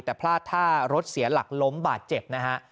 แต่พลาดท่ารถเสียหลักล้มบาดเจ็บนะฮะ